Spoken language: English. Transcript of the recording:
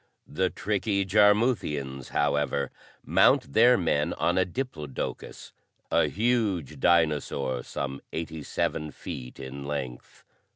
The tricky Jarmuthians, however, mount their men on a diplodocus, a huge dinosaur some eighty seven feet in length.